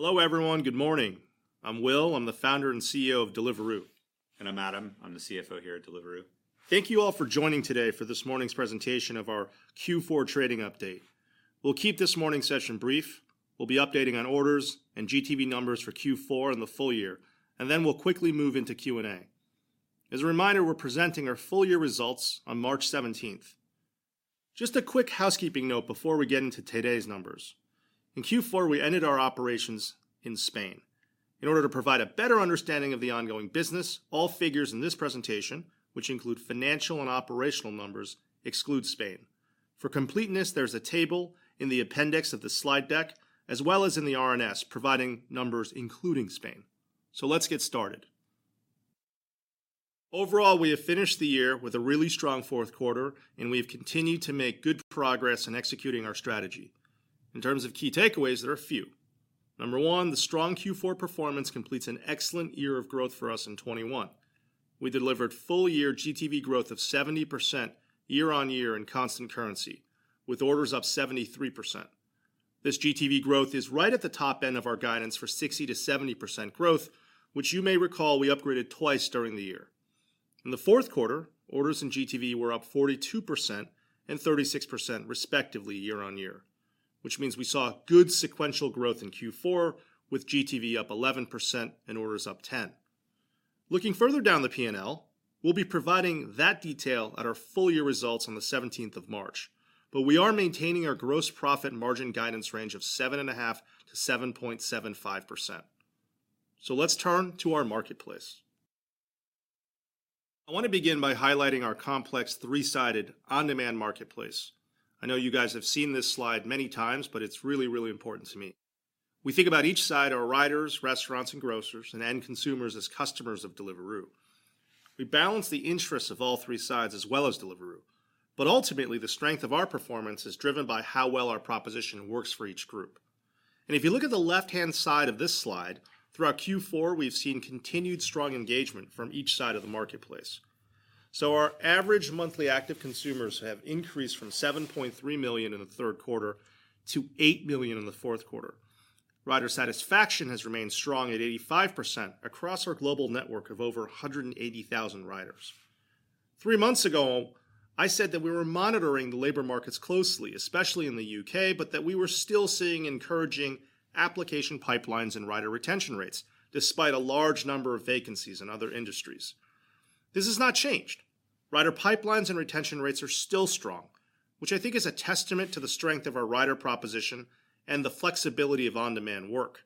Hello, everyone. Good morning. I'm Will, I'm the Founder and CEO of Deliveroo. I'm Adam, I'm the CFO here at Deliveroo. Thank you all for joining today for this morning's presentation of our Q4 trading update. We'll keep this morning's session brief. We'll be updating on orders and GTV numbers for Q4 and the full year, and then we'll quickly move into Q&A. As a reminder, we're presenting our full year results on March seventeenth. Just a quick housekeeping note before we get into today's numbers. In Q4, we ended our operations in Spain. In order to provide a better understanding of the ongoing business, all figures in this presentation, which include financial and operational numbers, exclude Spain. For completeness, there's a table in the appendix of the slide deck as well as in the RNS, providing numbers including Spain. Let's get started. Overall, we have finished the year with a really strong fourth quarter, and we have continued to make good progress in executing our strategy. In terms of key takeaways, there are a few. Number one, the strong Q4 performance completes an excellent year of growth for us in 2021. We delivered full-year GTV growth of 70% year-on-year in constant currency with orders up 73%. This GTV growth is right at the top end of our guidance for 60%-70% growth, which you may recall we upgraded twice during the year. In the fourth quarter, orders and GTV were up 42% and 36% respectively year-on-year, which means we saw good sequential growth in Q4 with GTV up 11% and orders up 10%. Looking further down the P&L, we'll be providing that detail at our full-year results on the seventeenth of March, but we are maintaining our gross profit margin guidance range of 7.5%-7.75%. Let's turn to our marketplace. I want to begin by highlighting our complex three-sided on-demand marketplace. I know you guys have seen this slide many times, but it's really, really important to me. We think about each side, our riders, restaurants and grocers, and end consumers as customers of Deliveroo. We balance the interests of all three sides as well as Deliveroo, but ultimately the strength of our performance is driven by how well our proposition works for each group. If you look at the left-hand side of this slide, throughout Q4, we've seen continued strong engagement from each side of the marketplace. Our average monthly active consumers have increased from 7.3 million in the third quarter to 8 million in the fourth quarter. Rider satisfaction has remained strong at 85% across our global network of over 180,000 riders. Three months ago, I said that we were monitoring the labor markets closely, especially in the U.K., but that we were still seeing encouraging application pipelines and rider retention rates, despite a large number of vacancies in other industries. This has not changed. Rider pipelines and retention rates are still strong, which I think is a testament to the strength of our rider proposition and the flexibility of on-demand work.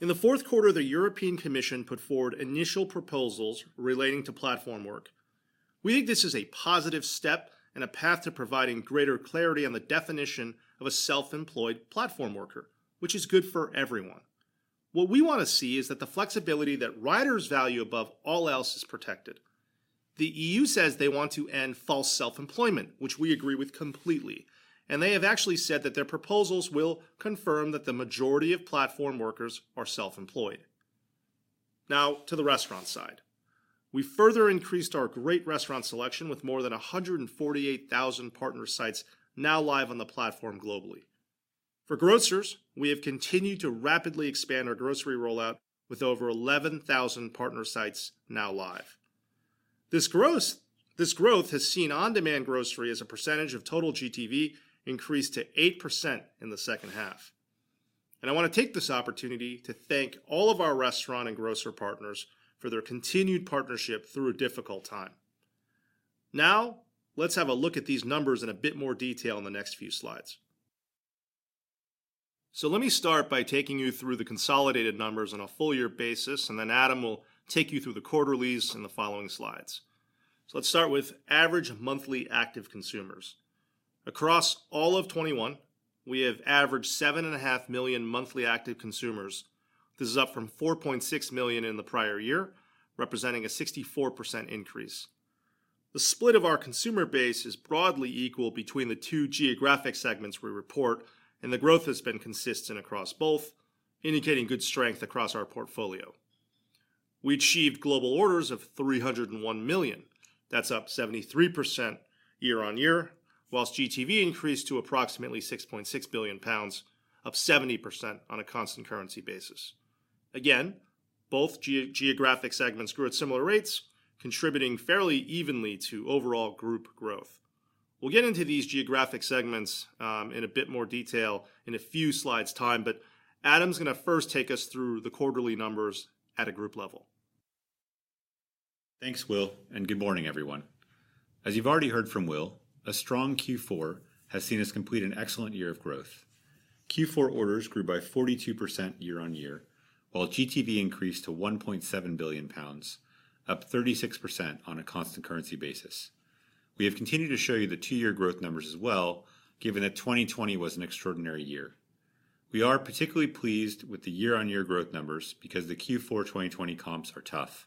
In the fourth quarter, the European Commission put forward initial proposals relating to platform work. We think this is a positive step and a path to providing greater clarity on the definition of a self-employed platform worker, which is good for everyone. What we wanna see is that the flexibility that riders value above all else is protected. The EU says they want to end false self-employment, which we agree with completely, and they have actually said that their proposals will confirm that the majority of platform workers are self-employed. Now to the restaurant side. We further increased our great restaurant selection with more than 148,000 partner sites now live on the platform globally. For grocers, we have continued to rapidly expand our grocery rollout with over 11,000 partner sites now live. This growth has seen on-demand grocery as a percentage of total GTV increase to 8% in the second half. I wanna take this opportunity to thank all of our restaurant and grocer partners for their continued partnership through a difficult time. Now, let's have a look at these numbers in a bit more detail in the next few slides. Let me start by taking you through the consolidated numbers on a full year basis, and then Adam will take you through the quarterlies in the following slides. Let's start with average monthly active consumers. Across all of 2021, we have averaged 7.5 million monthly active consumers. This is up from 4.6 million in the prior year, representing a 64% increase. The split of our consumer base is broadly equal between the two geographic segments we report, and the growth has been consistent across both, indicating good strength across our portfolio. We achieved global orders of 301 million. That's up 73% year-over-year, while GTV increased to approximately 6.6 billion pounds, up 70% on a constant currency basis. Again, both geographic segments grew at similar rates, contributing fairly evenly to overall group growth. We'll get into these geographic segments, in a bit more detail in a few slides' time, but Adam's gonna first take us through the quarterly numbers at a group level. Thanks, Will, and good morning, everyone. As you've already heard from Will, a strong Q4 has seen us complete an excellent year of growth. Q4 orders grew by 42% year-on-year, while GTV increased to 1.7 billion pounds, up 36% on a constant currency basis. We have continued to show you the two-year growth numbers as well, given that 2020 was an extraordinary year. We are particularly pleased with the year-on-year growth numbers because the Q4 2020 comps are tough.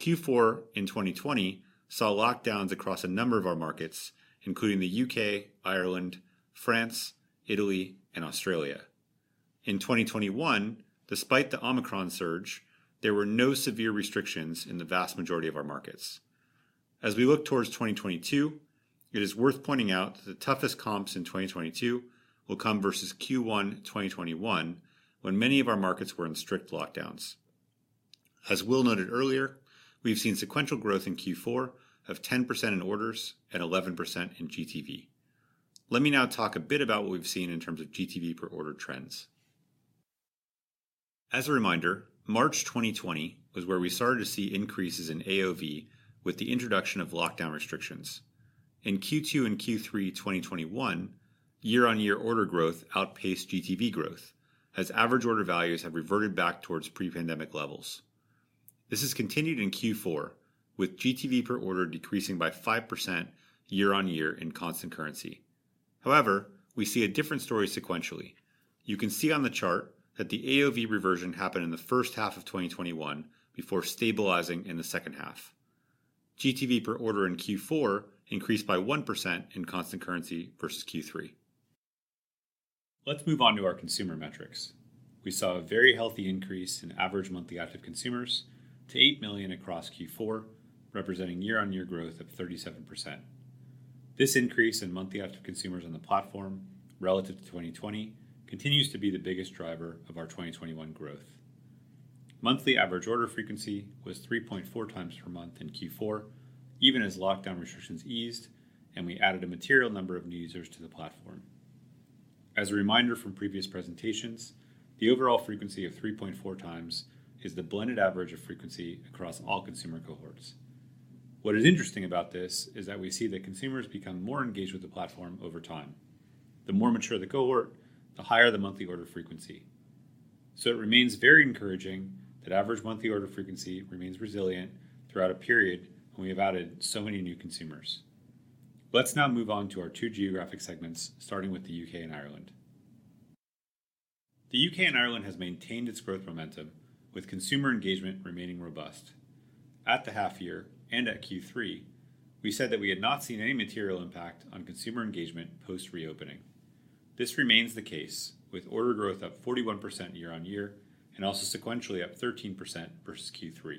Q4 in 2020 saw lockdowns across a number of our markets, including the UK, Ireland, France, Italy, and Australia. In 2021, despite the Omicron surge, there were no severe restrictions in the vast majority of our markets. As we look towards 2022, it is worth pointing out that the toughest comps in 2022 will come versus Q1 2021 when many of our markets were in strict lockdowns. As Will noted earlier, we've seen sequential growth in Q4 of 10% in orders and 11% in GTV. Let me now talk a bit about what we've seen in terms of GTV per order trends. As a reminder, March 2020 was where we started to see increases in AOV with the introduction of lockdown restrictions. In Q2 and Q3 2021, year-on-year order growth outpaced GTV growth as average order values have reverted back towards pre-pandemic levels. This has continued in Q4, with GTV per order decreasing by 5% year-on-year in constant currency. However, we see a different story sequentially. You can see on the chart that the AOV reversion happened in the first half of 2021 before stabilizing in the second half. GTV per order in Q4 increased by 1% in constant currency versus Q3. Let's move on to our consumer metrics. We saw a very healthy increase in average monthly active consumers to 8 million across Q4, representing year-on-year growth of 37%. This increase in monthly active consumers on the platform relative to 2020 continues to be the biggest driver of our 2021 growth. Monthly average order frequency was 3.4 times per month in Q4, even as lockdown restrictions eased and we added a material number of new users to the platform. As a reminder from previous presentations, the overall frequency of 3.4x is the blended average of frequency across all consumer cohorts. What is interesting about this is that we see that consumers become more engaged with the platform over time. The more mature the cohort, the higher the monthly order frequency. It remains very encouraging that average monthly order frequency remains resilient throughout a period when we have added so many new consumers. Let's now move on to our two geographic segments, starting with the U.K. and Ireland. The U.K. and Ireland has maintained its growth momentum, with consumer engagement remaining robust. At the half year and at Q3, we said that we had not seen any material impact on consumer engagement post reopening. This remains the case with order growth up 41% year-over-year and also sequentially up 13% versus Q3.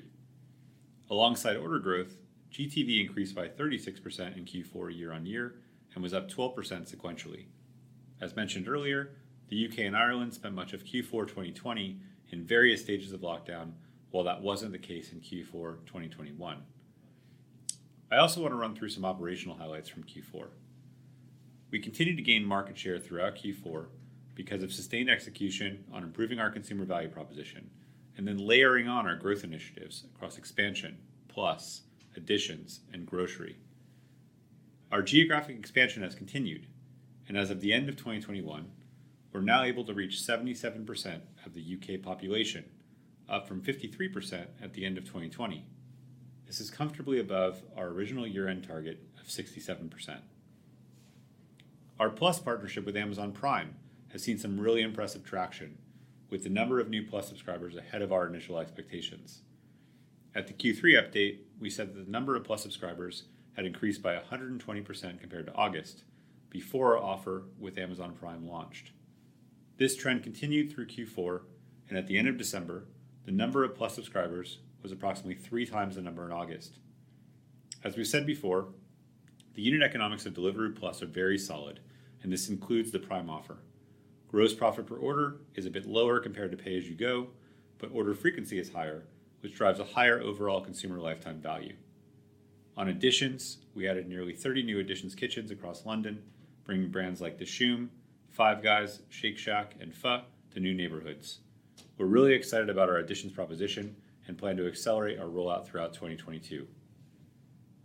Alongside order growth, GTV increased by 36% in Q4 year on year and was up 12% sequentially. As mentioned earlier, the U.K. and Ireland spent much of Q4 2020 in various stages of lockdown, while that wasn't the case in Q4 2021. I also want to run through some operational highlights from Q4. We continued to gain market share throughout Q4 because of sustained execution on improving our consumer value proposition and then layering on our growth initiatives across expansion, Plus, Editions, and grocery. Our geographic expansion has continued, and as of the end of 2021, we're now able to reach 77% of the U.K. population, up from 53% at the end of 2020. This is comfortably above our original year-end target of 67%. Our Plus partnership with Amazon Prime has seen some really impressive traction with the number of new Plus subscribers ahead of our initial expectations. At the Q3 update, we said that the number of Plus subscribers had increased by 120% compared to August before our offer with Amazon Prime launched. This trend continued through Q4, and at the end of December, the number of Plus subscribers was approximately 3x the number in August. As we said before, the unit economics of Deliveroo Plus are very solid, and this includes the Prime offer. Gross profit per order is a bit lower compared to pay-as-you-go, but order frequency is higher, which drives a higher overall consumer lifetime value. On Editions, we added nearly 30 new Editions kitchens across London, bringing brands like Dishoom, Five Guys, Shake Shack, and Pho to new neighborhoods. We're really excited about our Editions proposition and plan to accelerate our rollout throughout 2022.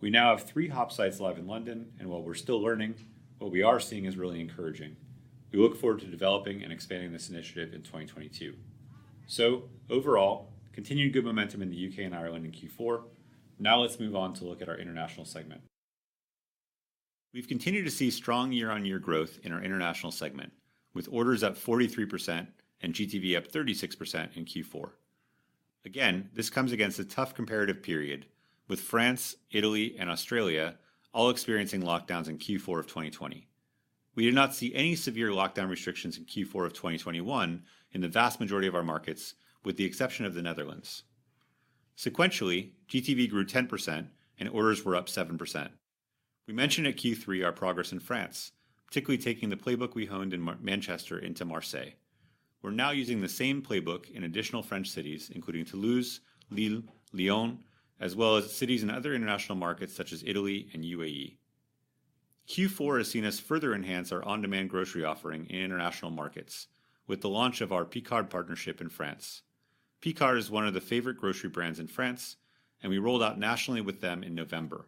We now have three hub sites live in London, and while we're still learning, what we are seeing is really encouraging. We look forward to developing and expanding this initiative in 2022. Overall, continued good momentum in the U.K. and Ireland in Q4. Now let's move on to look at our International segment. We've continued to see strong year-on-year growth in our International segment with orders up 43% and GTV up 36% in Q4. Again, this comes against a tough comparative period with France, Italy, and Australia all experiencing lockdowns in Q4 of 2020. We did not see any severe lockdown restrictions in Q4 of 2021 in the vast majority of our markets, with the exception of the Netherlands. Sequentially, GTV grew 10% and orders were up 7%. We mentioned at Q3 our progress in France, particularly taking the playbook we honed in Manchester into Marseille. We're now using the same playbook in additional French cities, including Toulouse, Lille, Lyon, as well as cities in other international markets such as Italy and UAE. Q4 has seen us further enhance our on-demand grocery offering in international markets with the launch of our Picard partnership in France. Picard is one of the favorite grocery brands in France, and we rolled out nationally with them in November.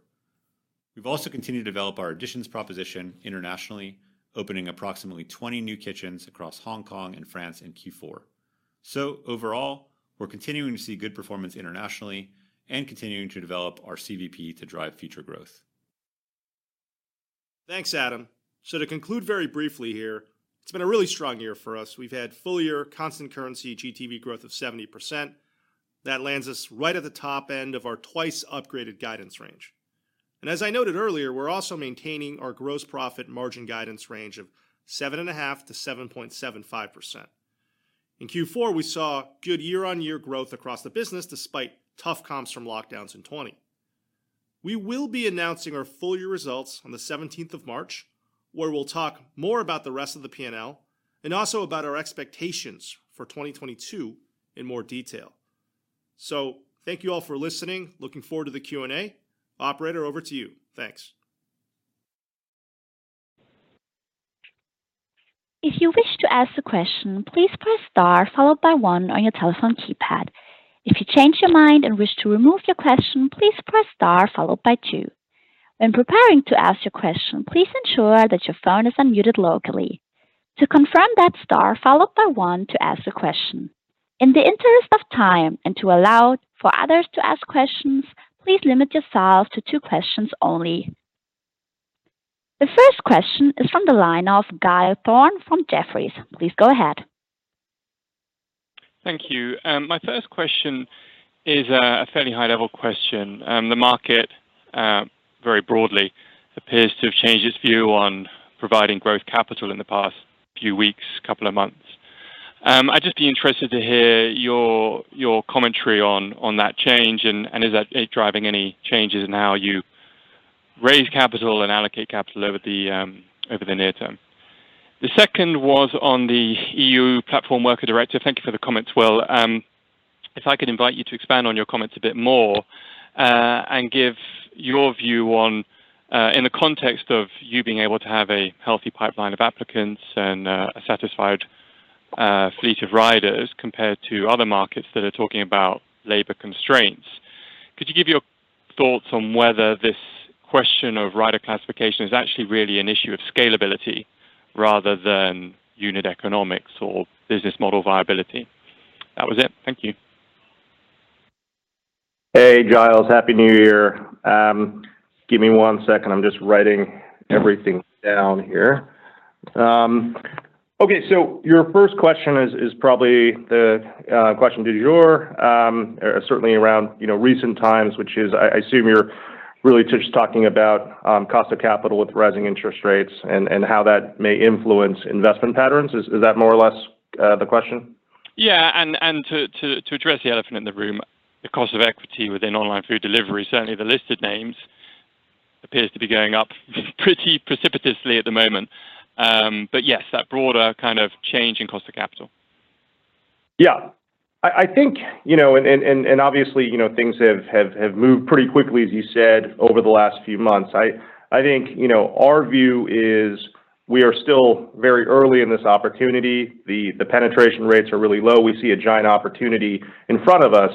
We've also continued to develop our Editions proposition internationally, opening approximately 20 new kitchens across Hong Kong and France in Q4. Overall, we're continuing to see good performance internationally and continuing to develop our CVP to drive future growth. Thanks, Adam. To conclude very briefly here, it's been a really strong year for us. We've had full year constant currency GTV growth of 70%. That lands us right at the top end of our twice upgraded guidance range. As I noted earlier, we're also maintaining our gross profit margin guidance range of 7.5%-7.75%. In Q4, we saw good year-on-year growth across the business despite tough comps from lockdowns in 2020. We will be announcing our full year results on the seventeenth of March, where we'll talk more about the rest of the P&L and also about our expectations for 2022 in more detail. Thank you all for listening. Looking forward to the Q&A. Operator, over to you. Thanks. If you wish to ask a question, please press star followed by one on your telephone keypad. If you change your mind and wish to remove your question, please press star followed by two. When preparing to ask your question, please ensure that your phone is unmuted locally. To confirm that star followed by one to ask the question. In the interest of time and to allow for others to ask questions, please limit yourselves to two questions only. The first question is from the line of Giles Thorne from Jefferies. Please go ahead. Thank you. My first question is a fairly high-level question. The market very broadly appears to have changed its view on providing growth capital in the past few weeks, couple of months. I'd just be interested to hear your commentary on that change and is that driving any changes in how you raise capital and allocate capital over the near term. The second was on the EU platform work directive. Thank you for the comments, Will. If I could invite you to expand on your comments a bit more and give your view on in the context of you being able to have a healthy pipeline of applicants and a satisfied fleet of riders compared to other markets that are talking about labor constraints. Could you give your thoughts on whether this question of rider classification is actually really an issue of scalability rather than unit economics or business model viability? That was it. Thank you. Hey, Giles. Happy New Year. Give me one second. I'm just writing everything down here. Okay. Your first question is probably the, certainly around, you know, recent times, which is I assume you're really just talking about cost of capital with rising interest rates and how that may influence investment patterns. Is that more or less the question? To address the elephant in the room, the cost of equity within online food delivery, certainly the listed names appears to be going up pretty precipitously at the moment. Yes, that broader kind of change in cost of capital. Yeah. I think, you know, and obviously, you know, things have moved pretty quickly, as you said, over the last few months. I think, you know, our view is we are still very early in this opportunity. The penetration rates are really low. We see a giant opportunity in front of us.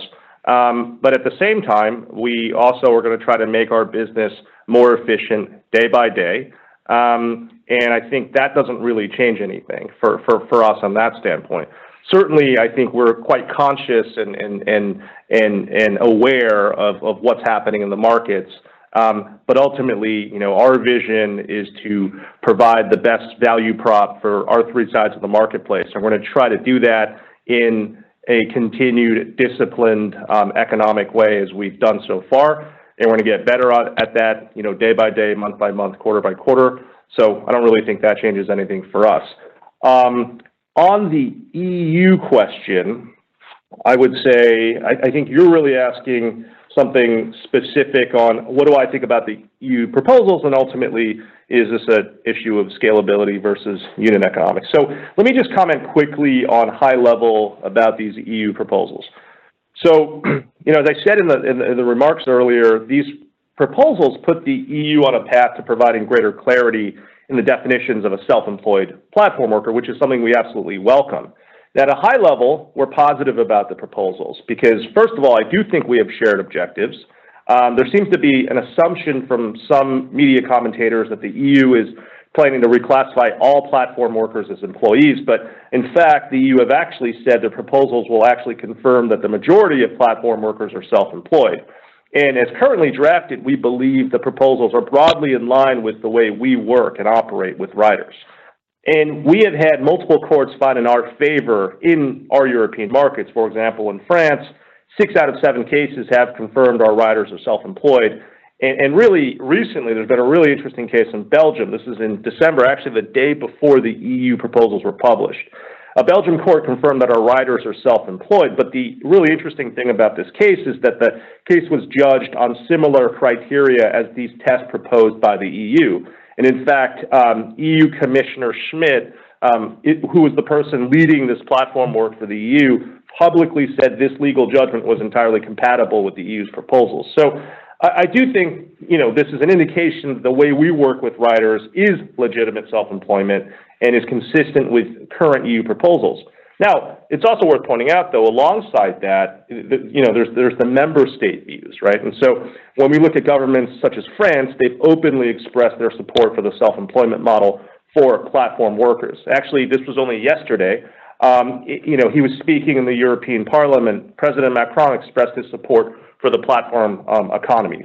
At the same time, we also are gonna try to make our business more efficient day by day. I think that doesn't really change anything for us on that standpoint. Certainly, I think we're quite conscious and aware of what's happening in the markets. Ultimately, you know, our vision is to provide the best value prop for our three sides of the marketplace. We're gonna try to do that in a continued disciplined economic way as we've done so far, and we're gonna get better at that, you know, day by day, month by month, quarter by quarter. I don't really think that changes anything for us. On the EU question, I would say I think you're really asking something specific on what do I think about the EU proposals, and ultimately, is this an issue of scalability versus unit economics? Let me just comment quickly on high level about these EU proposals. You know, as I said in the remarks earlier, these proposals put the EU on a path to providing greater clarity in the definitions of a self-employed platform worker, which is something we absolutely welcome. At a high level, we're positive about the proposals because first of all, I do think we have shared objectives. There seems to be an assumption from some media commentators that the EU is planning to reclassify all platform workers as employees. In fact, the EU have actually said the proposals will actually confirm that the majority of platform workers are self-employed. As currently drafted, we believe the proposals are broadly in line with the way we work and operate with riders. We have had multiple courts find in our favor in our European markets. For example, in France, six out of seven cases have confirmed our riders are self-employed. Really recently, there's been a really interesting case in Belgium. This is in December, actually, the day before the EU proposals were published. A Belgian court confirmed that our riders are self-employed, but the really interesting thing about this case is that the case was judged on similar criteria as these tests proposed by the EU. In fact, EU Commissioner Schmit, who was the person leading this platform work for the EU, publicly said this legal judgment was entirely compatible with the EU's proposals. I do think, you know, this is an indication the way we work with riders is legitimate self-employment and is consistent with current EU proposals. Now, it's also worth pointing out, though, alongside that, you know, there's the member state views, right? When we look at governments such as France, they've openly expressed their support for the self-employment model for platform workers. Actually, this was only yesterday, you know, he was speaking in the European Parliament. President Macron expressed his support for the platform economy.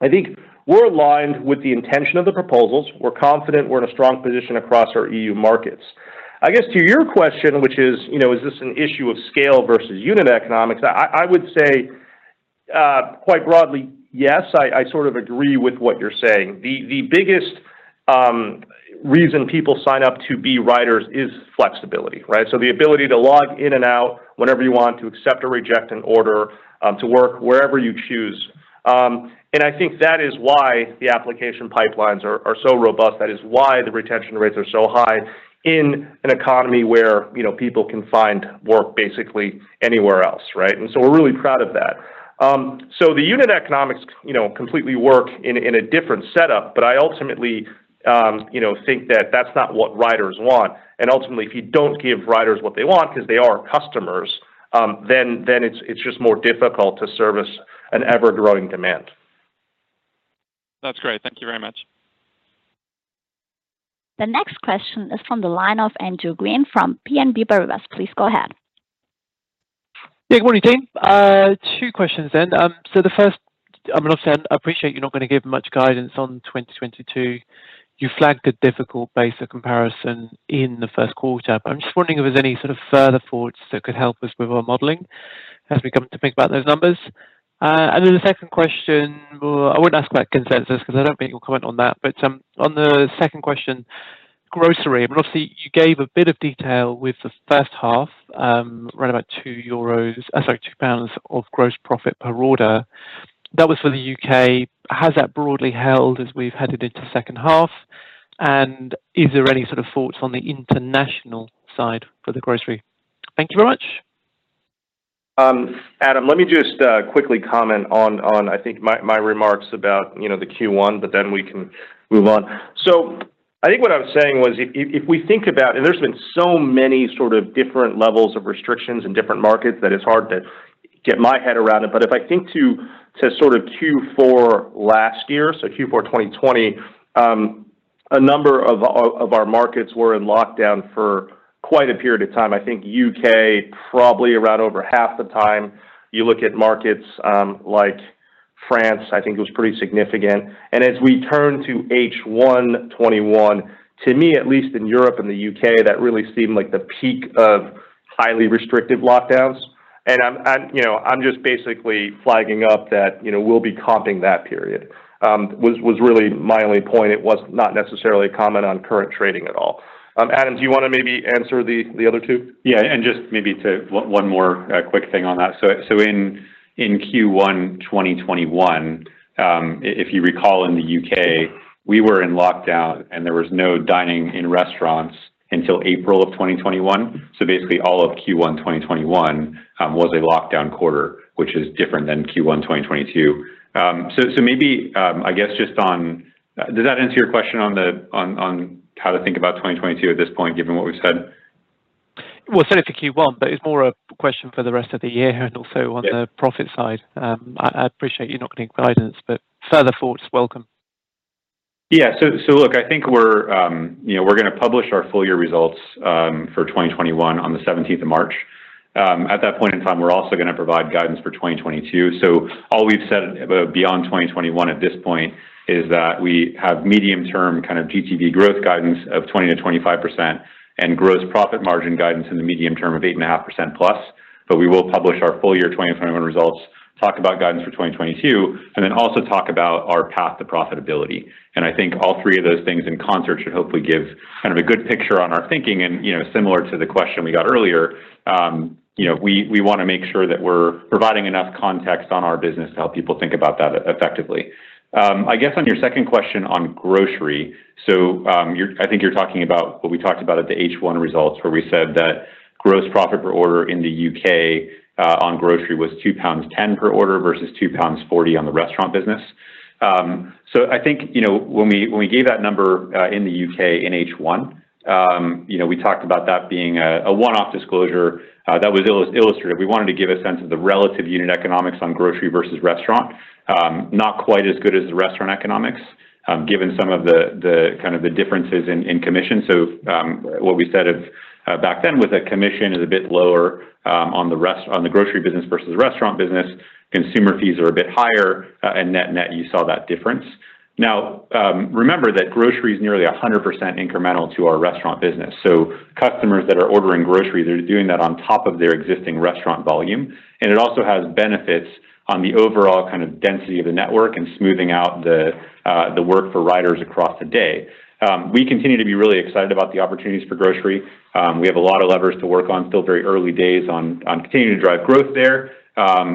I think we're aligned with the intention of the proposals. We're confident we're in a strong position across our EU markets. I guess to your question, which is, you know, is this an issue of scale versus unit economics? I would say, quite broadly, yes, I sort of agree with what you're saying. The biggest reason people sign up to be riders is flexibility, right? The ability to log in and out whenever you want to accept or reject an order, to work wherever you choose. I think that is why the application pipelines are so robust. That is why the retention rates are so high in an economy where, you know, people can find work basically anywhere else, right? We're really proud of that. The unit economics, you know, completely work in a different setup, but I ultimately, you know, think that that's not what riders want. Ultimately, if you don't give riders what they want, 'cause they are customers, then it's just more difficult to service an ever-growing demand. That's great. Thank you very much. The next question is from the line of Andrew Grobler from BNP Paribas. Please go ahead. Good morning, team. Two questions then. So the first. I understand, I appreciate you're not gonna give much guidance on 2022. You flagged a difficult base of comparison in the first quarter. I'm just wondering if there's any sort of further thoughts that could help us with our modeling as we come to think about those numbers. And then the second question, well, I wouldn't ask about consensus because I don't think you'll comment on that. On the second question, grocery, and obviously you gave a bit of detail with the first half, around about 2 euros. Sorry, 2 pounds of gross profit per order. That was for the U.K. Has that broadly held as we've headed into second half? And is there any sort of thoughts on the international side for the grocery? Thank you very much. Adam, let me just quickly comment on, I think, my remarks about, you know, the Q1, but then we can move on. I think what I was saying was if we think about. There's been so many sort of different levels of restrictions in different markets that it's hard to get my head around it. If I think to sort of Q4 last year, so Q4 2020, a number of our markets were in lockdown for quite a period of time. I think the U.K. probably around over half the time. You look at markets like France, I think it was pretty significant. As we turn to H1 2021, to me, at least in Europe and the U.K., that really seemed like the peak of highly restrictive lockdowns. I'm just basically flagging up that, you know, we'll be comping that period, was really my only point. It was not necessarily a comment on current trading at all. Adam, do you wanna maybe answer the other two? Yeah. Just maybe to one more quick thing on that. In Q1 2021, if you recall in the U.K., we were in lockdown, and there was no dining in restaurants until April 2021. Basically all of Q1 2021 was a lockdown quarter, which is different than Q1 2022. I guess just on does that answer your question on the on how to think about 2022 at this point, given what we've said? Well, certainly for Q1, but it's more a question for the rest of the year and also on. Yeah... the profit side. I appreciate you're not giving guidance, but further thoughts welcome. Look, I think we're, you know, gonna publish our full year results for 2021 on the 17th of March. At that point in time, we're also gonna provide guidance for 2022. All we've said about beyond 2021 at this point is that we have medium-term kind of GTV growth guidance of 20%-25% and gross profit margin guidance in the medium term of 8.5%+. We will publish our Full Year 2021 results, talk about guidance for 2022, and then also talk about our path to profitability. I think all three of those things in concert should hopefully give kind of a good picture on our thinking. You know, similar to the question we got earlier, you know, we wanna make sure that we're providing enough context on our business to help people think about that effectively. I guess on your second question on grocery, so, I think you're talking about what we talked about at the H1 results where we said that gross profit per order in the U.K. on grocery was 2.10 pounds per order versus 2.40 pounds on the restaurant business. So I think, you know, when we gave that number in the U.K. in H1, you know, we talked about that being a one-off disclosure that was illustrative. We wanted to give a sense of the relative unit economics on grocery versus restaurant. Not quite as good as the restaurant economics, given some of the differences in commission. What we said back then was that commission is a bit lower on the grocery business versus the restaurant business. Consumer fees are a bit higher, and net-net you saw that difference. Remember that grocery is nearly 100% incremental to our restaurant business. Customers that are ordering grocery, they're doing that on top of their existing restaurant volume. It also has benefits on the overall kind of density of the network and smoothing out the work for riders across the day. We continue to be really excited about the opportunities for grocery. We have a lot of levers to work on. Still very early days on continuing to drive growth there,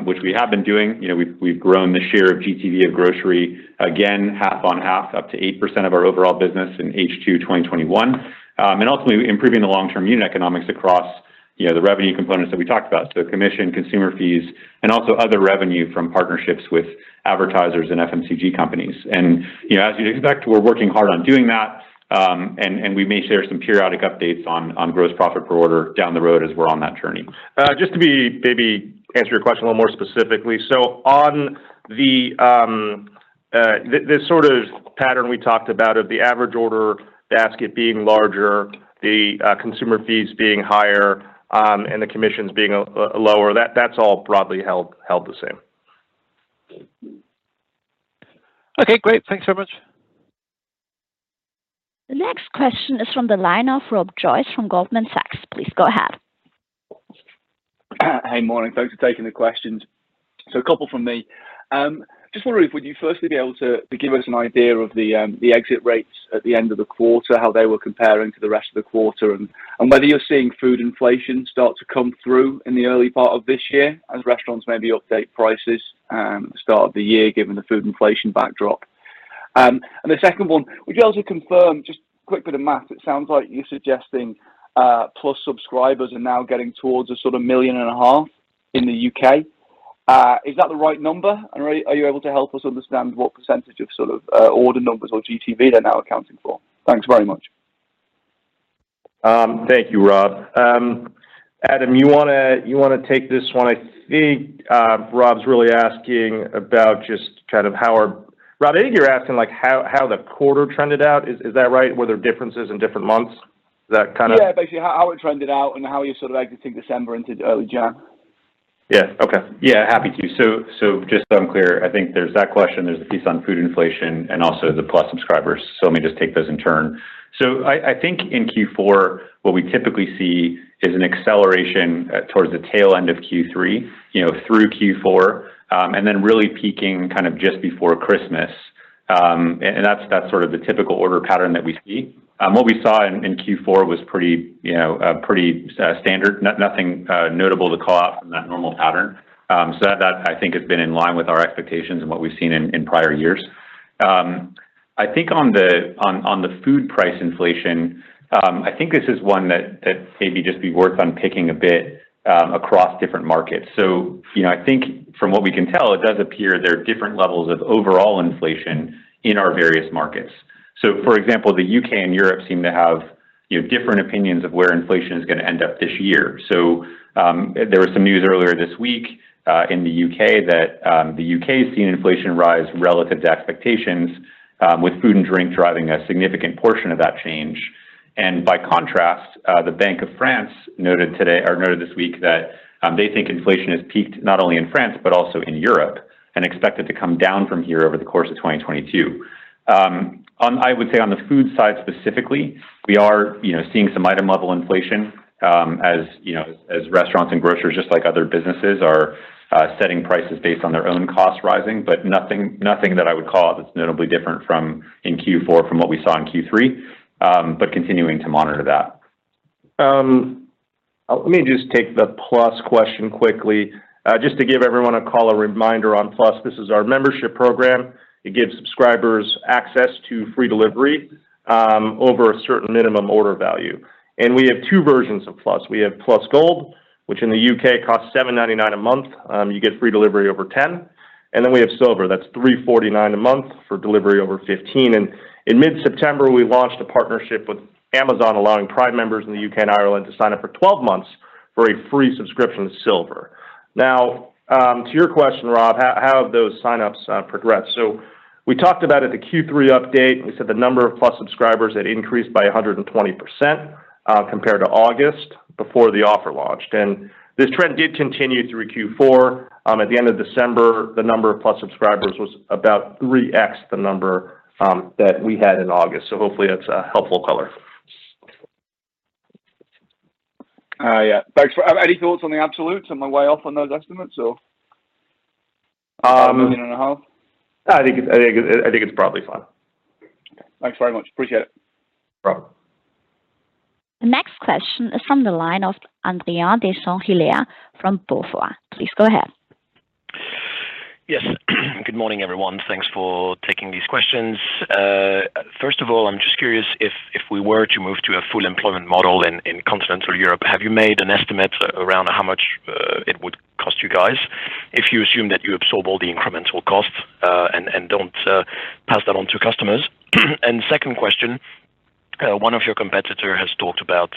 which we have been doing. You know, we've grown the share of GTV of grocery, again, half on half, up to 8% of our overall business in H2 2021. Ultimately improving the long-term unit economics across, you know, the revenue components that we talked about, so commission, consumer fees, and also other revenue from partnerships with advertisers and FMCG companies. You know, as you'd expect, we're working hard on doing that. We may share some periodic updates on gross profit per order down the road as we're on that journey. Just to be, maybe answer your question a little more specifically. This sort of pattern we talked about of the average order basket being larger, consumer fees being higher, and the commissions being lower, that's all broadly held the same. Okay, great. Thanks so much. The next question is from the line of Rob Joyce from Goldman Sachs. Please go ahead. Hey, morning, folks. Taking the questions. A couple from me. Just wonder if you would firstly be able to give us an idea of the exit rates at the end of the quarter, how they were comparing to the rest of the quarter, and whether you're seeing food inflation start to come through in the early part of this year as restaurants maybe update prices, start the year given the food inflation backdrop. The second one, would you also confirm, just a quick bit of math, it sounds like you're suggesting Plus subscribers are now getting towards a sort of 1.5 million in the U.K. Is that the right number? Are you able to help us understand what percentage of sort of order numbers or GTV they're now accounting for? Thanks very much. Thank you, Rob. Adam, you wanna take this one? I think Rob's really asking about just kind of how our... Rob, I think you're asking, like, how the quarter trended out. Is that right? Were there differences in different months? Is that kinda- Yeah, basically how it trended out, and how you sort of like to take December into early January. Yeah. Okay. Yeah, happy to. Just so I'm clear, I think there's that question, there's a piece on food inflation and also the Plus subscribers. Let me just take those in turn. I think in Q4, what we typically see is an acceleration towards the tail end of Q3, you know, through Q4, and then really peaking kind of just before Christmas. And that's sort of the typical order pattern that we see. What we saw in Q4 was pretty, you know, pretty standard. Nothing notable to call out from that normal pattern. That I think has been in line with our expectations and what we've seen in prior years. I think on the food price inflation, I think this is one that maybe just be worth unpicking a bit across different markets. You know, I think from what we can tell, it does appear there are different levels of overall inflation in our various markets. For example, the U.K. and Europe seem to have, you know, different opinions of where inflation is gonna end up this year. There was some news earlier this week in the U.K. that the U.K.'s seen inflation rise relative to expectations with food and drink driving a significant portion of that change. By contrast, the Banque de France noted today or noted this week that they think inflation has peaked not only in France, but also in Europe, and expect it to come down from here over the course of 2022. On the food side specifically, I would say we are, you know, seeing some item level inflation, as you know, as restaurants and groceries, just like other businesses, are setting prices based on their own costs rising. But nothing that I would call that's notably different from in Q4 from what we saw in Q3. But continuing to monitor that. Let me just take the Plus question quickly. Just to give everyone a quick reminder on Plus, this is our membership program. It gives subscribers access to free delivery over a certain minimum order value. We have two versions of Plus. We have Plus Gold, which in the U.K. costs 7.99 a month. You get free delivery over 10. Then we have Silver, that's 3.49 a month for delivery over 15. In mid-September, we launched a partnership with Amazon, allowing Prime members in the U.K. and Ireland to sign up for 12 months for a free subscription to Silver. Now, to your question, Rob, how have those signups progressed? We talked about at the Q3 update, we said the number of Plus subscribers had increased by 120%, compared to August before the offer launched. This trend did continue through Q4. At the end of December, the number of Plus subscribers was about 3x the number that we had in August. Hopefully that's a helpful color. Yeah. Thanks. Any thoughts on the absolutes? Am I way off on those estimates or? Um- 1.5 million? I think it's probably fine. Okay. Thanks very much. Appreciate it. No problem. The next question is from the line of Adrien de Saint Hilaire from BofA. Please go ahead. Yes. Good morning, everyone. Thanks for taking these questions. First of all, I'm just curious if we were to move to a full employment model in continental Europe, have you made an estimate around how much it would cost you guys if you assume that you absorb all the incremental costs and don't pass that on to customers? Second question, one of your competitor has talked about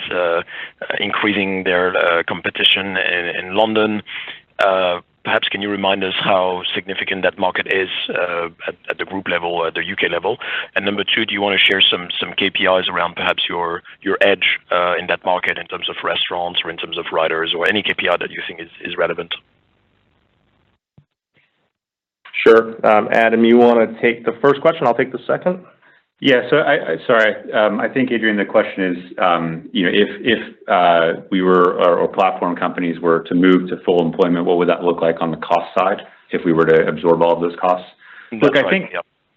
increasing their competition in London. Perhaps can you remind us how significant that market is at the group level, at the U.K. level? Number two, do you wanna share some KPIs around perhaps your edge in that market in terms of restaurants or in terms of riders or any KPI that you think is relevant? Sure. Adam, you wanna take the first question, I'll take the second? I think, Adrien, the question is, you know, if we were or platform companies were to move to full employment, what would that look like on the cost side if we were to absorb all of those costs? Look, I think.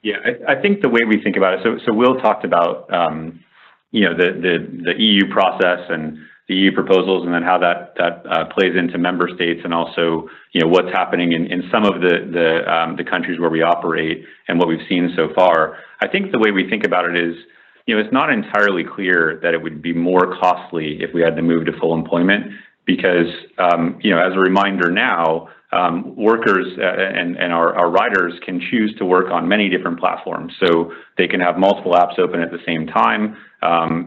Yeah. I think the way we think about it, so Will talked about, you know, the EU process and the EU proposals and then how that plays into member states and also, you know, what's happening in some of the countries where we operate and what we've seen so far. I think the way we think about it is, you know, it's not entirely clear that it would be more costly if we had to move to full employment because, you know, as a reminder now, workers and our riders can choose to work on many different platforms. So they can have multiple apps open at the same time.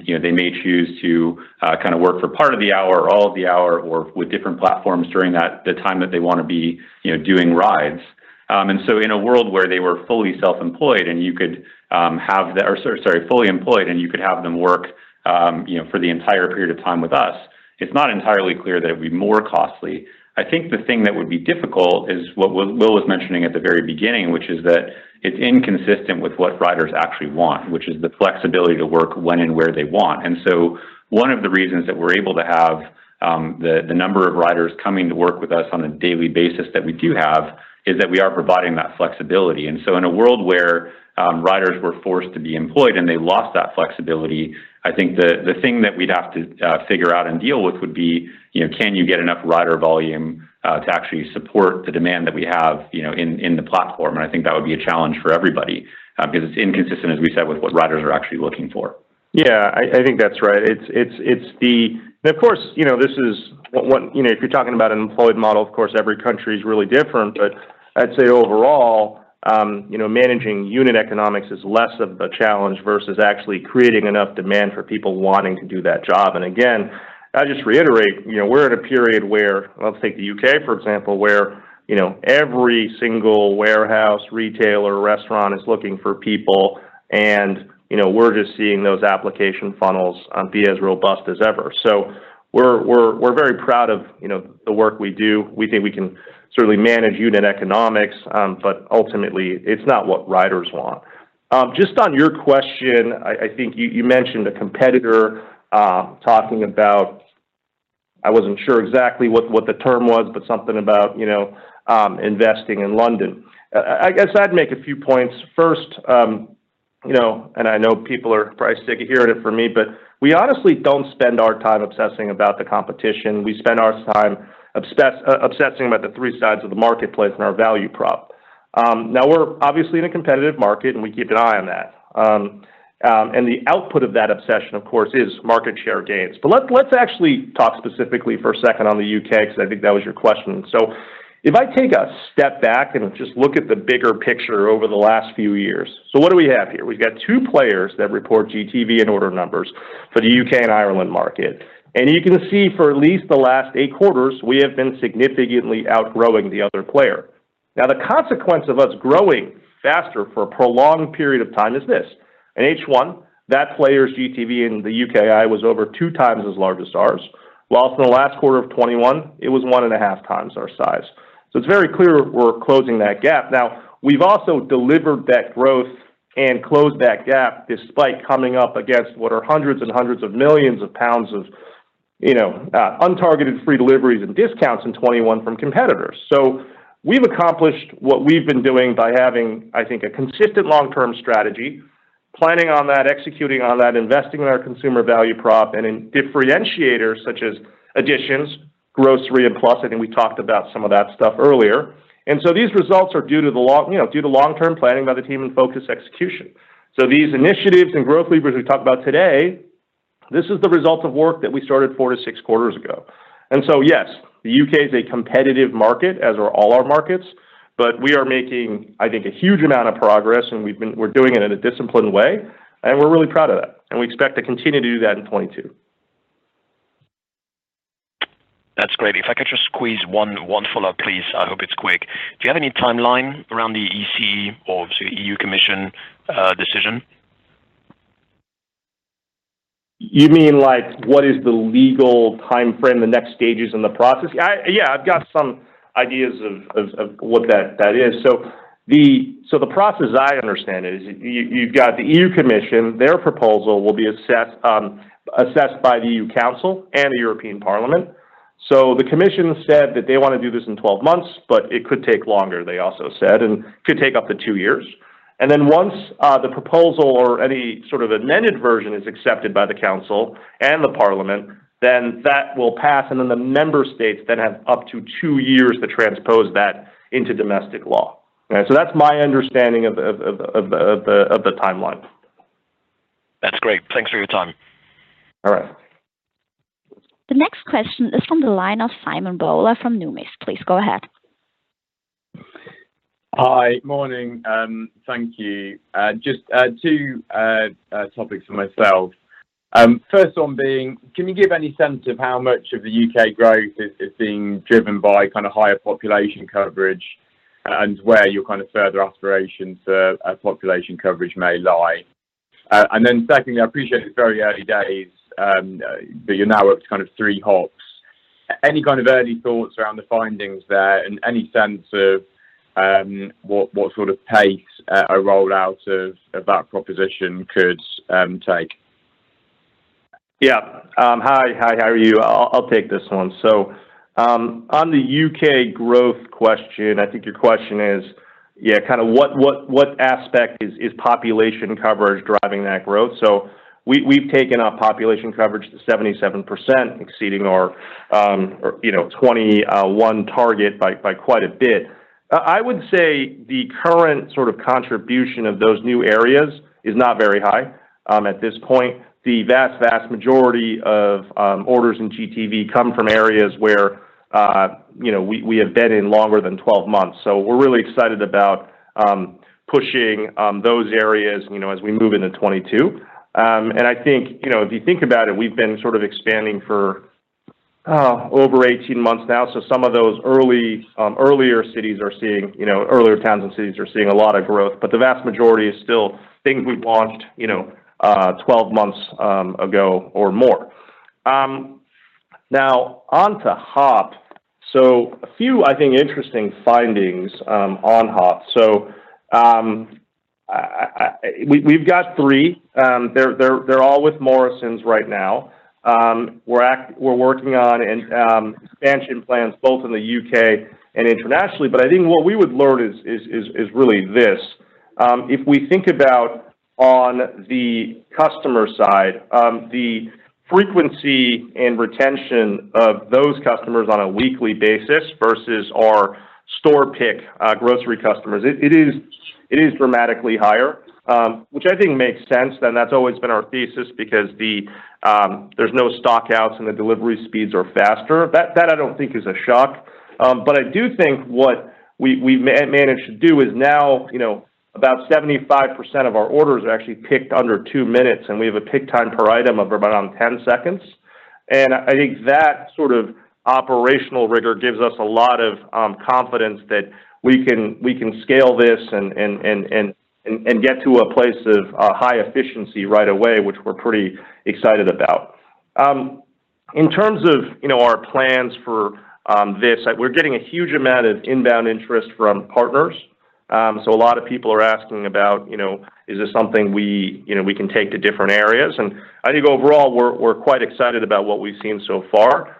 You know, they may choose to kind of work for part of the hour or all of the hour or with different platforms during that time that they wanna be, you know, doing rides. In a world where they were fully employed and you could have them work, you know, for the entire period of time with us. It's not entirely clear that it'd be more costly. I think the thing that would be difficult is what Will was mentioning at the very beginning, which is that it's inconsistent with what riders actually want, which is the flexibility to work when and where they want. One of the reasons that we're able to have the number of riders coming to work with us on a daily basis that we do have is that we are providing that flexibility. In a world where riders were forced to be employed and they lost that flexibility, I think the thing that we'd have to figure out and deal with would be, you know, can you get enough rider volume to actually support the demand that we have, you know, in the platform? I think that would be a challenge for everybody, because it's inconsistent, as we said, with what riders are actually looking for. Yeah. I think that's right. It's. Of course, you know, this is what. You know, if you're talking about an employed model, of course, every country is really different. I'd say overall, you know, managing unit economics is less of a challenge versus actually creating enough demand for people wanting to do that job. I'd just reiterate, you know, we're at a period where, let's take the U.K., for example, where, you know, every single warehouse, retailer, restaurant is looking for people. You know, we're just seeing those application funnels be as robust as ever. We're very proud of, you know, the work we do. We think we can certainly manage unit economics. Ultimately, it's not what riders want. Just on your question, I think you mentioned a competitor talking about, I wasn't sure exactly what the term was, but something about, you know, investing in London. I guess I'd make a few points. First, you know, and I know people are probably sick of hearing it from me, but we honestly don't spend our time obsessing about the competition. We spend our time obsessing about the three sides of the marketplace and our value prop. Now we're obviously in a competitive market, and we keep an eye on that. The output of that obsession, of course, is market share gains. Let's actually talk specifically for a second on the U.K., because I think that was your question. If I take a step back and just look at the bigger picture over the last few years, so what do we have here? We've got two players that report GTV and order numbers for the UK and Ireland market. You can see for at least the last eight quarters, we have been significantly outgrowing the other player. Now, the consequence of us growing faster for a prolonged period of time is this. In H1, that player's GTV in the UKI was over 2x as large as ours. While in the last quarter of 2021, it was 1.5x our size. It's very clear we're closing that gap. We've also delivered that growth and closed that gap despite coming up against what are hundreds and hundreds of millions GBP of, you know, untargeted free deliveries and discounts in 2021 from competitors. We've accomplished what we've been doing by having, I think, a consistent long-term strategy, planning on that, executing on that, investing in our consumer value prop, and in differentiators such as Editions, grocery, and Plus. I think we talked about some of that stuff earlier. These results are due to long-term planning by the team and focused execution. These initiatives and growth levers we've talked about today, this is the result of work that we started 4-6 quarters ago. Yes, the U.K. is a competitive market, as are all our markets. We are making, I think, a huge amount of progress, and we're doing it in a disciplined way, and we're really proud of that. We expect to continue to do that in 2022. That's great. If I could just squeeze one follow-up, please. I hope it's quick. Do you have any timeline around the EC or the EU Commission decision? You mean, like, what is the legal timeframe, the next stages in the process? I yeah, I've got some ideas of what that is. The process, as I understand it, is you've got the EU Commission. Their proposal will be assessed by the EU Council and the European Parliament. The Commission said that they want to do this in 12 months, but it could take longer, they also said, and could take up to two years. Once the proposal or any sort of amended version is accepted by the Council and the Parliament, that will pass, and the member states have up to two years to transpose that into domestic law. That's my understanding of the timeline. That's great. Thanks for your time. All right. The next question is from the line of Simon Bowler from Numis. Please go ahead. Hi. Morning. Thank you. Just two topics for myself. First one being, can you give any sense of how much of the U.K. growth is being driven by kind of higher population coverage and where your kind of further aspirations for population coverage may lie? Secondly, I appreciate it's very early days, but you're now up to kind of three hubs. Any kind of early thoughts around the findings there and any sense of what sort of pace a rollout of that proposition could take? Yeah. Hi. How are you? I'll take this one. On the U.K. growth question, I think your question is, yeah, kind of what aspect is population coverage driving that growth? We have taken our population coverage to 77%, exceeding our 2021 target by quite a bit. I would say the current sort of contribution of those new areas is not very high at this point. The vast majority of orders in GTV come from areas where, you know, we have been in longer than 12 months. We're really excited about pushing those areas, you know, as we move into 2022. I think, you know, if you think about it, we've been sort of expanding for over 18 months now. Some of those early earlier cities are seeing, you know, earlier towns and cities are seeing a lot of growth, but the vast majority is still things we've launched, you know, 12 months ago or more. Now on to Hop. A few, I think, interesting findings on Hop. We've got three. They're all with Morrisons right now. We're working on an expansion plans both in the U.K. and internationally. I think what we would learn is really this, if we think about on the customer side, the frequency and retention of those customers on a weekly basis versus our store pick grocery customers, it is dramatically higher, which I think makes sense. That's always been our thesis because there's no stock outs and the delivery speeds are faster. That I don't think is a shock. But I do think what we've managed to do is now, you know, about 75% of our orders are actually picked under two minutes, and we have a pick time per item of around 10 seconds. I think that sort of operational rigor gives us a lot of confidence that we can scale this and get to a place of high efficiency right away, which we're pretty excited about. In terms of our plans for this, we're getting a huge amount of inbound interest from partners. A lot of people are asking about, you know, is this something we, you know, can take to different areas? I think overall, we're quite excited about what we've seen so far.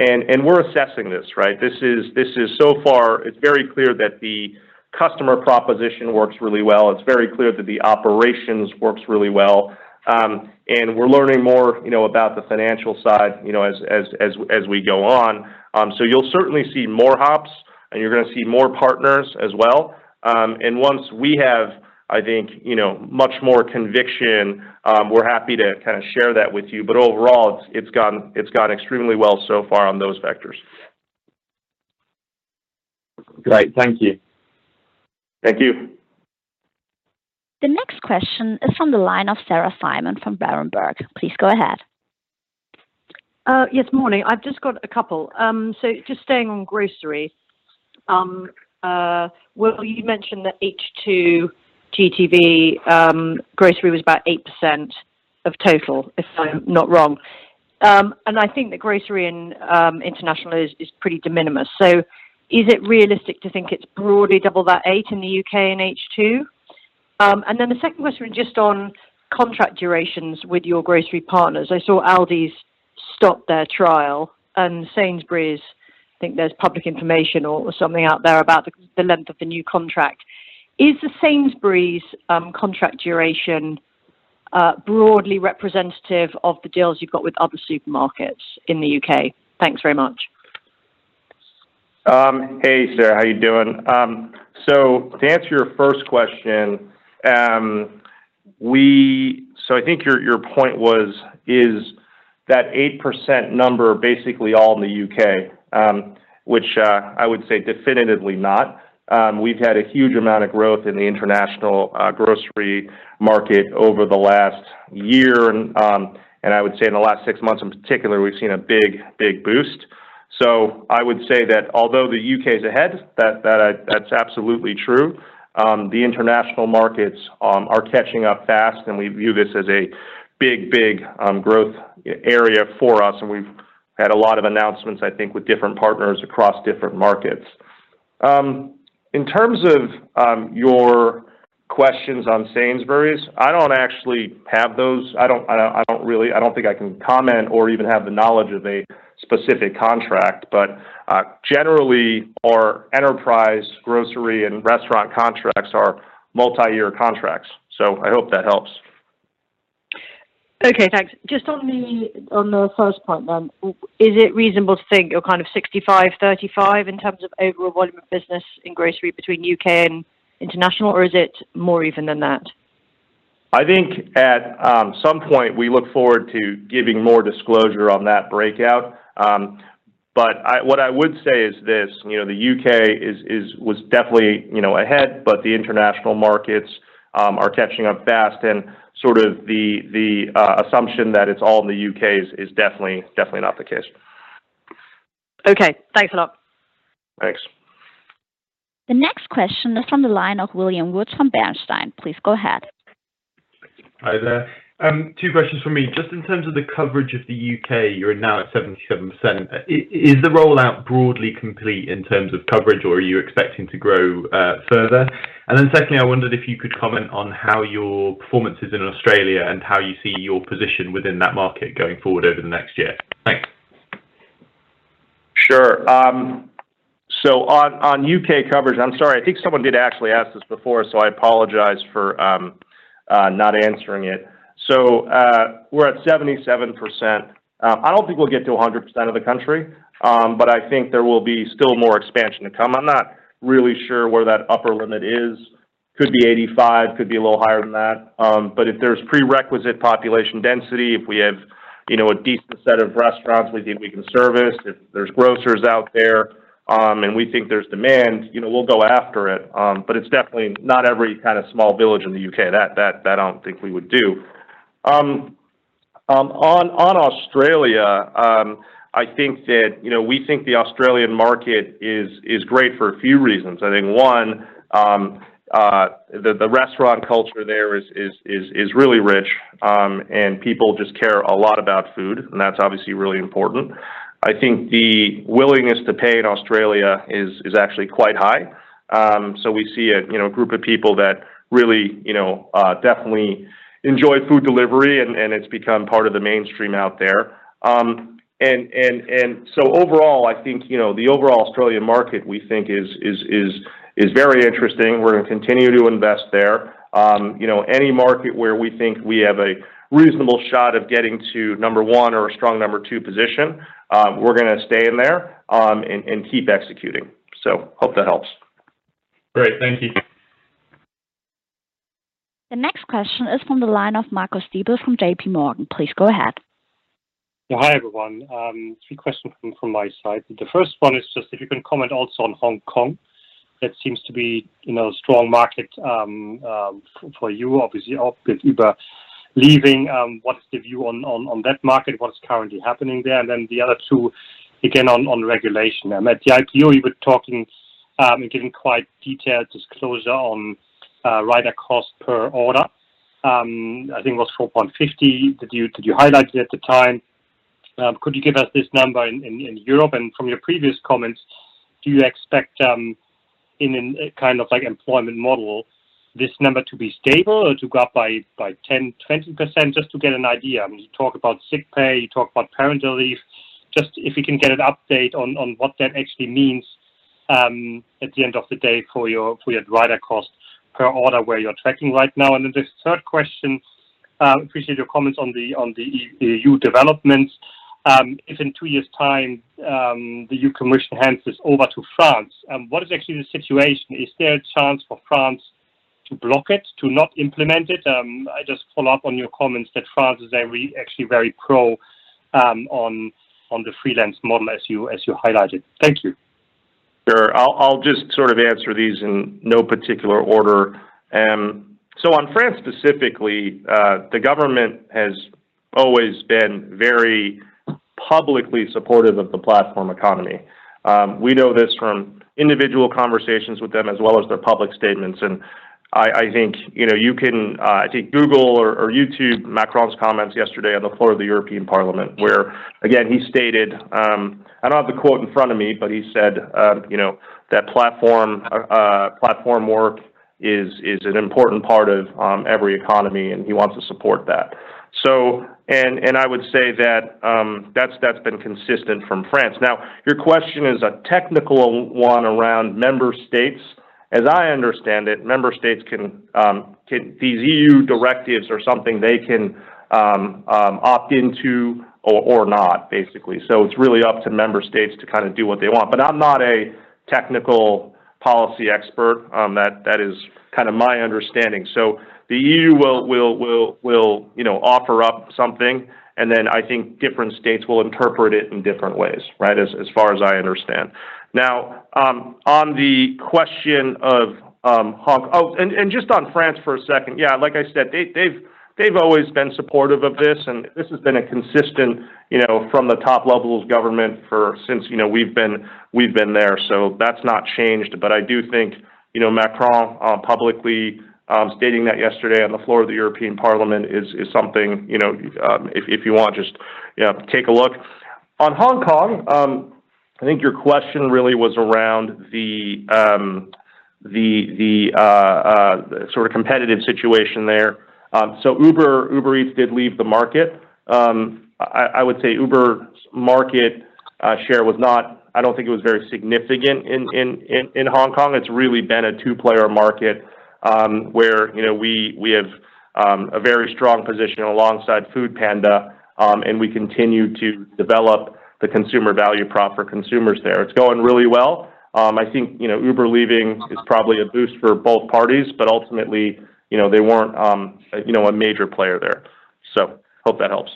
We're assessing this, right? This is so far, it's very clear that the customer proposition works really well. It's very clear that the operations works really well. We're learning more, you know, about the financial side, you know, as we go on. You'll certainly see more HOPS, and you're gonna see more partners as well. Once we have, I think, you know, much more conviction, we're happy to kinda share that with you. Overall, it's gone extremely well so far on those vectors. Great. Thank you. Thank you. The next question is from the line of Sarah Simon from Berenberg. Please go ahead. Yes, morning. I've just got a couple. Just staying on grocery, well you mentioned that H2 GTV, grocery was about 8% of total, if I'm not wrong. I think the grocery in international is pretty de minimis. Is it realistic to think it's broadly double that eight in the UK in H2? The second question, just on contract durations with your grocery partners. I saw Aldi's stop their trial and Sainsbury's, I think there's public information or something out there about the length of the new contract. Is the Sainsbury's contract duration broadly representative of the deals you've got with other supermarkets in the UK? Thanks very much. Hey, Sarah. How are you doing? To answer your first question, I think your point was, is that 8% number basically all in the U.K., which I would say definitively not. We've had a huge amount of growth in the international grocery market over the last year. I would say in the last six months in particular, we've seen a big boost. I would say that although the U.K. is ahead, that's absolutely true, the international markets are catching up fast, and we view this as a big growth area for us. We've had a lot of announcements, I think, with different partners across different markets. In terms of your questions on Sainsbury's, I don't actually have those. I don't really think I can comment or even have the knowledge of a specific contract. Generally, our enterprise grocery and restaurant contracts are multi-year contracts. I hope that helps. Okay, thanks. Just on the first point then, is it reasonable to think you're kind of 65-35 in terms of overall volume of business in grocery between U.K. and international, or is it more even than that? I think at some point we look forward to giving more disclosure on that breakout. But what I would say is this, you know, the U.K. was definitely, you know, ahead, but the international markets are catching up fast. Sort of the assumption that it's all in the U.K. is definitely not the case. Okay, thanks a lot. Thanks. The next question is from the line of William Woods from Bernstein. Please go ahead. Hi there. Two questions from me. Just in terms of the coverage of the UK, you're now at 77%. Is the rollout broadly complete in terms of coverage, or are you expecting to grow further? Secondly, I wondered if you could comment on how your performance is in Australia and how you see your position within that market going forward over the next year. Thanks. Sure. On U.K. coverage, I'm sorry, I think someone did actually ask this before, so I apologize for not answering it. We're at 77%. I don't think we'll get to 100% of the country. I think there will be still more expansion to come. I'm not really sure where that upper limit is. Could be 85, could be a little higher than that. If there's prerequisite population density, if we have, you know, a decent set of restaurants we can service, if there's grocers out there, and we think there's demand, you know, we'll go after it. It's definitely not every kind of small village in the U.K. That I don't think we would do. On Australia, I think that, you know, we think the Australian market is great for a few reasons. I think one, the restaurant culture there is really rich, and people just care a lot about food, and that's obviously really important. I think the willingness to pay in Australia is actually quite high. We see a group of people that really, you know, definitely enjoy food delivery and it's become part of the mainstream out there. Overall I think, you know, the overall Australian market we think is very interesting. We're gonna continue to invest there. You know, any market where we think we have a reasonable shot of getting to number one or a strong number two position, we're gonna stay in there, and keep executing. Hope that helps. Great. Thank you. The next question is from the line of Marcus Diebel from JPMorgan. Please go ahead. Yeah. Hi, everyone. Three questions from my side. The first one is just if you can comment also on Hong Kong. That seems to be, you know, a strong market for you obviously with Uber leaving, what is the view on that market? What is currently happening there? And then the other two, again, on regulation. At the IPO, you were talking and giving quite detailed disclosure on rider cost per order. I think it was 4.50 that you highlighted at the time. Could you give us this number in Europe? And from your previous comments, do you expect, in a kind of like employment model, this number to be stable or to go up by 10%-20%? Just to get an idea. I mean, you talk about sick pay, you talk about parental leave. Just if you can get an update on what that actually means, at the end of the day for your rider cost per order where you're tracking right now. Then the third question, appreciate your comments on the EU developments. If in two years' time, the EU Commission hands this over to France, what is actually the situation? Is there a chance for France to block it, to not implement it? I just follow up on your comments that France is very, actually very pro, on the freelance model as you highlighted. Thank you. Sure. I'll just sort of answer these in no particular order. On France specifically, the government has always been very publicly supportive of the platform economy. We know this from individual conversations with them as well as their public statements, and I think, you know, you can I think Google or YouTube Macron's comments yesterday on the floor of the European Parliament where, again, he stated, I don't have the quote in front of me, but he said, you know, that platform work is an important part of every economy and he wants to support that. I would say that that's been consistent from France. Now, your question is a technical one around member states. As I understand it, member states can can. These EU directives are something they can opt into or not, basically. It's really up to member states to kinda do what they want. I'm not a technical policy expert. That is kinda my understanding. The EU will, you know, offer up something, and then I think different states will interpret it in different ways, right? As far as I understand. Oh, and just on France for a second. Yeah, like I said, they've always been supportive of this, and this has been a consistent, you know, from the top levels of government for since, you know, we've been there. That's not changed. I do think, you know, Macron publicly stating that yesterday on the floor of the European Parliament is something, you know, if you want, just, you know, take a look. On Hong Kong, I think your question really was around the sort of competitive situation there. Uber Eats did leave the market. I would say Uber's market share was not, I don't think it was very significant in Hong Kong. It's really been a two-player market, where, you know, we have a very strong position alongside foodpanda, and we continue to develop the consumer value prop for consumers there. It's going really well. I think, you know, Uber leaving is probably a boost for both parties, but ultimately, you know, they weren't, you know, a major player there. Hope that helps.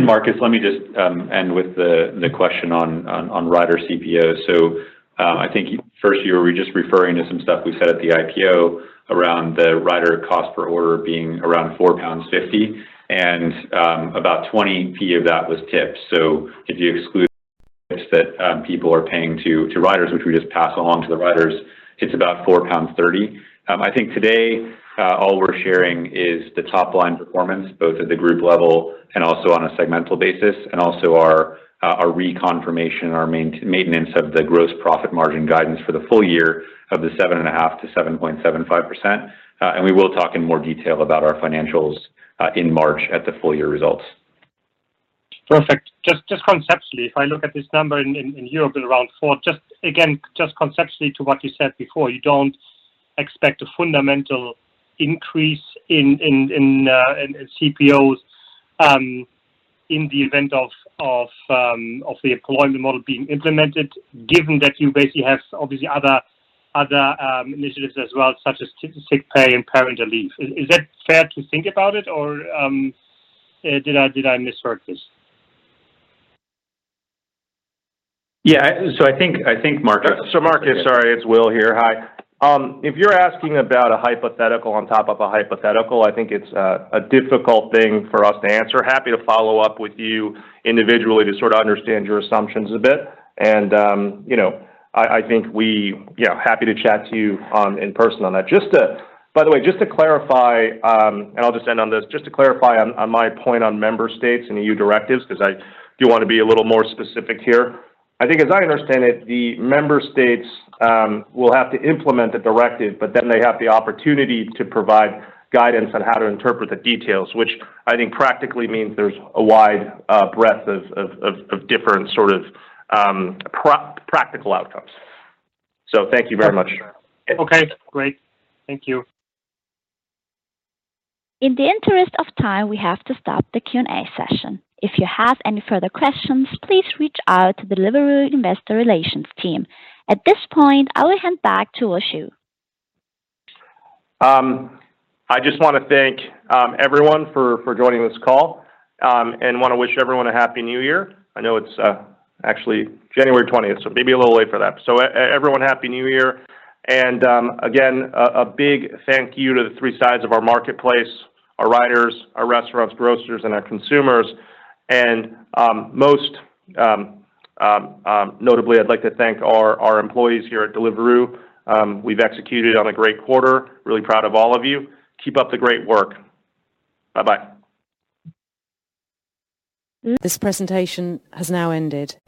Marcus, let me just end with the question on rider CPOs. I think first you were just referring to some stuff we said at the IPO around the rider cost per order being around 4.50 pounds, and about 0.20 of that was tips. If you exclude tips that people are paying to riders, which we just pass along to the riders, it's about 4.30 pounds. I think today, all we're sharing is the top line performance, both at the group level and also on a segmental basis, and also our reconfirmation, our maintenance of the gross profit margin guidance for the full year of 7.5%-7.75%. We will talk in more detail about our financials in March at the full year results. Perfect. Just conceptually, if I look at this number in Europe at around four, just again conceptually to what you said before, you don't expect a fundamental increase in CPOs in the event of the employment model being implemented given that you basically have obviously other initiatives as well, such as sick pay and parental leave? Is that fair to think about it or did I misheard this? Yeah. I think, Marcus- Marcus, sorry, it's Will here. Hi. If you're asking about a hypothetical on top of a hypothetical, I think it's a difficult thing for us to answer. Happy to follow up with you individually to sort of understand your assumptions a bit. You know, I think we, you know, happy to chat to you in person on that. By the way, just to clarify on my point on member states and EU directives, 'cause I do wanna be a little more specific here. I think as I understand it, the member states will have to implement the directive, but then they have the opportunity to provide guidance on how to interpret the details, which I think practically means there's a wide breadth of different sort of practical outcomes. Thank you very much. Okay. Great. Thank you. In the interest of time, we have to stop the Q&A session. If you have any further questions, please reach out to the Deliveroo investor relations team. At this point, I will hand back to Will Shu. I just wanna thank everyone for joining this call, and wanna wish everyone a happy New Year. I know it's actually January twentieth, so maybe a little late for that. Everyone, happy New Year. Again, a big thank you to the three sides of our marketplace, our riders, our restaurants, grocers, and our consumers. Most notably, I'd like to thank our employees here at Deliveroo. We've executed on a great quarter. Really proud of all of you. Keep up the great work. Bye-bye. This presentation has now ended.